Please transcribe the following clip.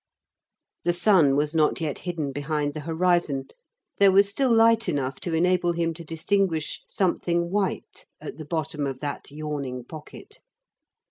The sun was not yet hidden behind the horizon; there was still light enough to enable him to distinguish something white at the bottom of that yawning pocket.